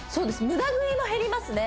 無駄食いも減りますね